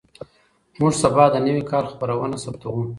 موږ سبا د نوي کال خپرونه ثبتوو.